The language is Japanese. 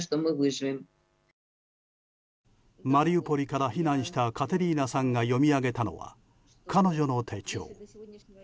マリウポリから避難したカテリーナさんが読み上げたのは彼女の手帳。